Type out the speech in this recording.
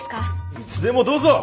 いつでもどうぞ！